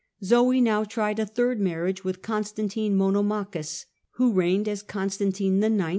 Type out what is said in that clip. Zoe now tried a tliird marriage with Constantine Monomachus, who Constan reigned as Constantine IX.